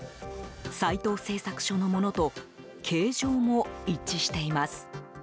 斎藤製作所のものと形状も一致しています。